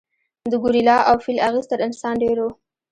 د ګورېلا او فیل اغېز تر انسان ډېر و.